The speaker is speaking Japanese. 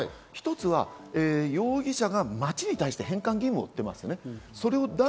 １つは容疑者が町に対して返還義務を負っています。